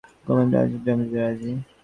কাশ্মীরের রাজা জমি দিতে রাজী।